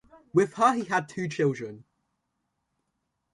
With her he had two children.